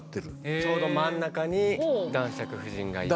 ちょうど真ん中に男爵夫人がいて。